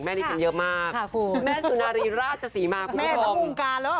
แม่ดิฉันเยอะมากแม่สุนารีราชสีมากคุณผู้ชมแม่ทั้งวงการหรือ